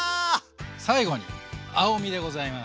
最後に青みでございます。